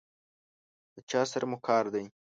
له چا سره مو کار دی؟